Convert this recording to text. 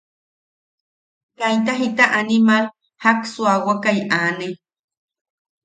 Kaita jita animal jak suawakai aane.